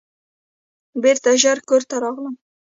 بیرته ژر کور ته راغلم.